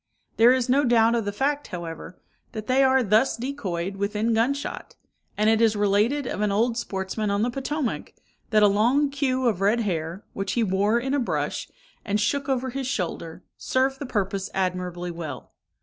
There is no doubt of the fact, however, that they are thus decoyed within gun shot; and it is related of an old sportsman on the Potomac, that a long queue of red hair, which he wore in a brush, and shook over his shoulder, served the purpose admirably well.